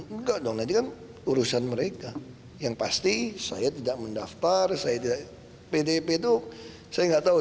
enggak dong ini kan urusan mereka yang pasti saya tidak mendaftar saya tidak pdp itu saya nggak tahu